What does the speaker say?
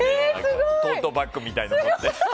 トートバッグみたいなもの持って。